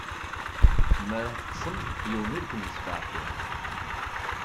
Mi ara teṭṭṣem, yiwen ur kwen-isfeɛfiɛ.